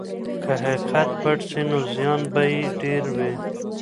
که حقیقت پټ سي نو زیان به یې ډېر وي.